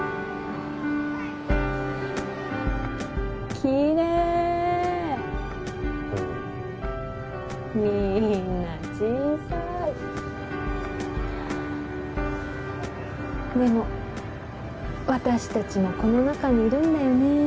きれいうんみーんな小さいでも私たちもこの中にいるんだよね